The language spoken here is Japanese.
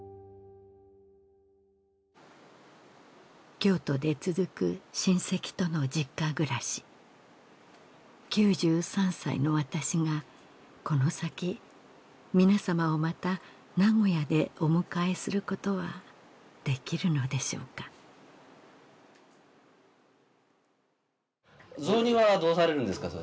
京都で続く親戚との実家暮らし９３歳の私がこの先皆様をまた名古屋でお迎えすることはできるのでしょうか雑煮はどうされるんですか？